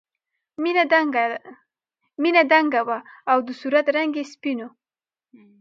مینه دنګه وه او د صورت رنګ یې سپین و